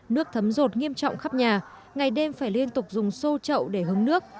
nước thấm rột nghiêm trọng khắp nhà ngày đêm phải liên tục dùng sô trậu để hứng nước